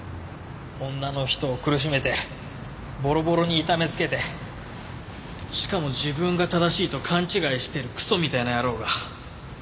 女の人を苦しめてボロボロに痛めつけてしかも自分が正しいと勘違いしてるクソみたいな野郎が。